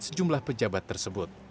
sejumlah pejabat tersebut